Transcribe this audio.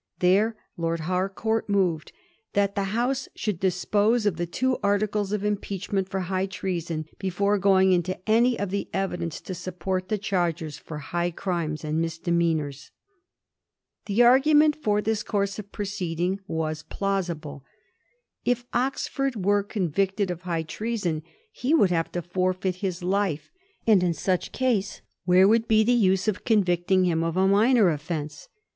There Lord Harcourt moved that the House should dispose of the two articles of impeachment for high treason, before going into any of the evidence to support the charges for high crimes and misdemeanours. The argument for this course of proceeding was plausible. K Oxford were convicted of high treason he would liave to forfeit his life ; and in such case, where would Digiti zed by Google 222 A HISTORY OF THE F0X7R GEORGES. ch. x. be the use of oonvictmg bim of a minor offence